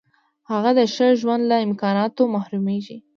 هغه د ښه ژوند له امکاناتو محرومیږي.